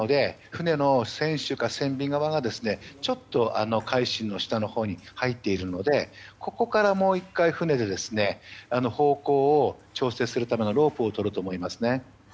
船の船首か船尾側はちょっと「海進」の下のほうに入っているのでここからもう１回船で方向を調整するためのロープをとると思います。